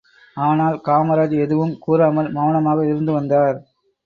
ஆனால் காமராஜ் எதுவும் கூறாமல் மெளனமாக இருந்து வந்தார்.